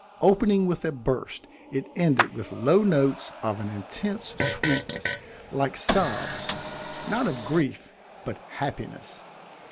Opening with a burst, it ended with low notes of an intense sweetness like sobs, not of grief, but happiness.